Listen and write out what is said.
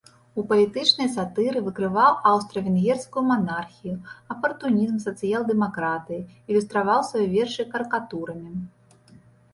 У палітычнай сатыры выкрываў аўстра-венгерскую манархію, апартунізм сацыял-дэмакратыі, ілюстраваў свае вершы карыкатурамі.